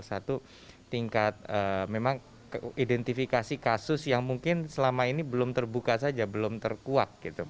satu tingkat memang identifikasi kasus yang mungkin selama ini belum terbuka saja belum terkuak gitu